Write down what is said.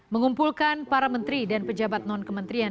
mengumpulkan para menteri dan pejabat non kementerian